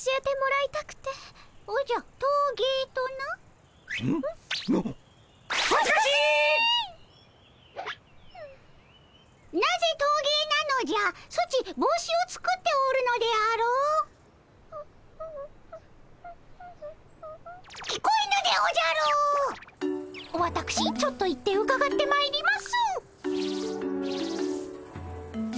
わたくしちょっと行ってうかがってまいります。